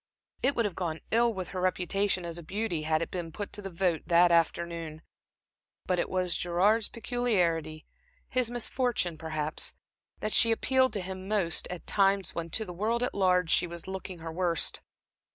It would have gone ill with her reputation as a beauty had it been put to the vote that afternoon. But it was Gerard's peculiarity, his misfortune perhaps, that she appealed to him most at times when to the world at large she was looking her worst.